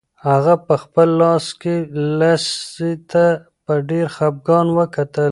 هغه په خپل لاس کې لسی ته په ډېر خپګان وکتل.